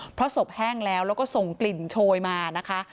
เพราะศพแห้งแล้วแล้วก็ส่งกลิ่นโชยมานะคะ